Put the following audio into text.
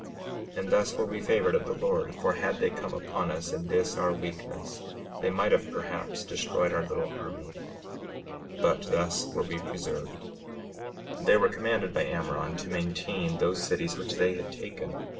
56:19 And thus were we favored of the Lord; for had they come upon us in this our weakness they might have perhaps destroyed our little army; but thus were we preserved. 56:20 They were commanded by Ammoron to maintain those cities which they had taken.